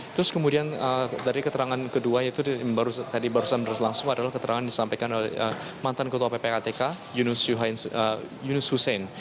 terus kemudian dari keterangan kedua yaitu tadi barusan berlangsung adalah keterangan disampaikan oleh mantan ketua ppatk yunus hussein